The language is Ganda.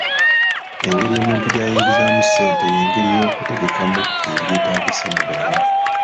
Engeri omuntu gy'ayingizaamu ssente y'engeri y'okutegekamu ebyetaagisa mu bulamu.